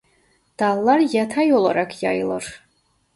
Dallar yatay olarak yayılır.